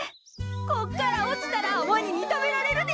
こっからおちたらワニにたべられるで。